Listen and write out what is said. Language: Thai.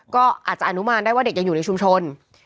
ก็อาจจะอนุมานได้ว่าเด็กยังอยู่ในชุมชน